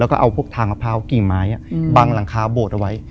คือก่อนอื่นพี่แจ็คผมได้ตั้งชื่อเอาไว้ชื่อเอาไว้ชื่อเอาไว้ชื่อเอาไว้ชื่อเอาไว้ชื่อ